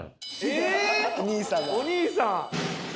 お兄さん。